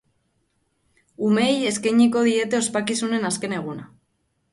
Umeei eskainiko diete ospakizunen azken eguna.